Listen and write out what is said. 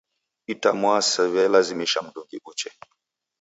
Itamwaa siw'elazimisha mndungi uche.